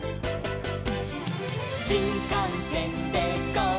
「しんかんせんでゴー！